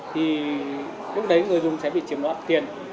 thì lúc đấy người dùng sẽ bị chiếm đoạt tiền